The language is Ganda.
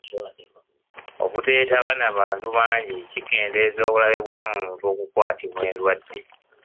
Obuteetaba na bantu bangi kikendeeza obulabe bw'omuntu okukwatibwa endwadde.